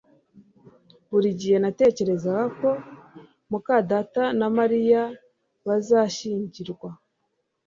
Buri gihe natekerezaga ko muka data na Mariya bazashyingirwa